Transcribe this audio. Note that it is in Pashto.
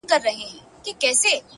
پوه انسان د حقیقت تابع وي،